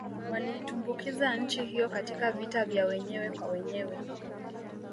Waliitumbukiza nchi hiyo katika vita vya wenyewe kwa wenyewe